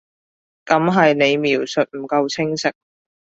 噉係你描述唔夠清晰